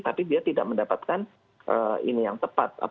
tapi dia tidak mendapatkan ini yang tepat